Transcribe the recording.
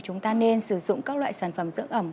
chúng ta nên sử dụng các loại sản phẩm dưỡng ẩm